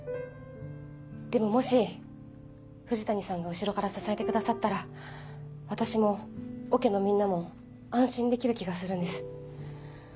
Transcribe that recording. でももし藤谷さんが後ろから支えてくださったら私もオケのみんなも安心できる気がするんです。